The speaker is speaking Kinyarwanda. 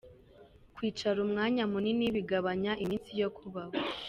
Kwicara umwanya munini bigabanya iminsi yo kubaho